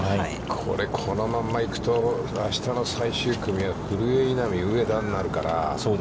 これ、このまま行くとあしたの最終組は、古江、稲見、上田になるから。